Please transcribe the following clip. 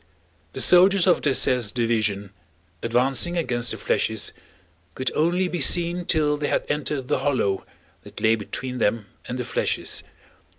The soldiers of Dessaix's division advancing against the flèches could only be seen till they had entered the hollow that lay between them and the flèches.